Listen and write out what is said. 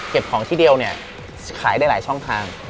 ของที่เดียวเนี่ยขายได้หลายช่องทาง